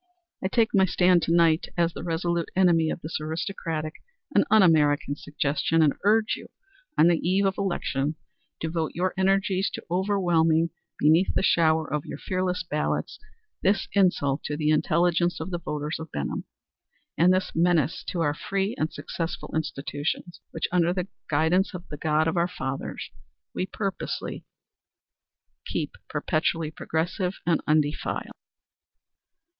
I take my stand to night as the resolute enemy of this aristocratic and un American suggestion, and urge you, on the eve of election, to devote your energies to overwhelming beneath the shower of your fearless ballots this insult to the intelligence of the voters of Benham, and this menace to our free and successful institutions, which, under the guidance of the God of our fathers, we purpose to keep perpetually progressive and undefiled."